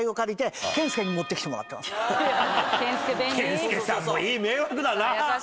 健介さんもいい迷惑だな。